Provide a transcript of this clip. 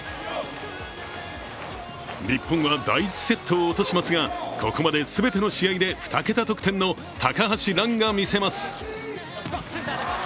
日本は第１セットを落としますがここまで全ての試合で２桁得点の高橋藍がみせます。